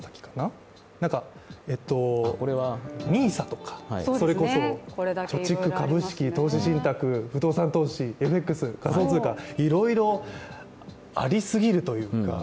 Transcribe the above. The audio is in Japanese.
ＮＩＳＡとか、それこそ貯蓄、株式不動産投資、ＦＸ、仮想通貨、いろいろありすぎるというか。